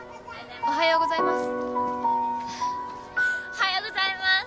おはようございます。